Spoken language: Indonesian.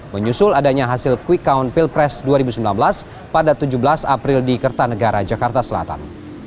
menyusul adanya hasil quick count pilpres dua ribu sembilan belas pada tujuh belas april di kertanegara jakarta selatan